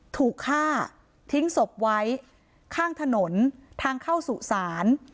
ถูกฆ่าทิ้งศพไว้ข้างถนนทางเข้าสุสาน